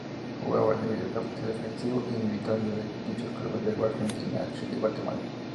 Jugaba de mediocampista defensivo y militó en diversos clubes de Argentina, Chile y Guatemala.